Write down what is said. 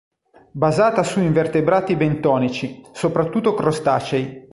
Basata su invertebrati bentonici, soprattutto crostacei.